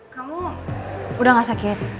kamu udah gak sakit